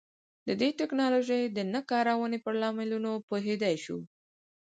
د دې ټکنالوژۍ د نه کارونې پر لاملونو پوهېدای شو.